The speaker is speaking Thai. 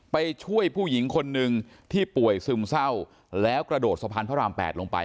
ไปช่วยผู้หญิงคนหนึ่งที่ป่วยซึมเศร้าแล้วกระโดดสะพานพระราม๘ลงไป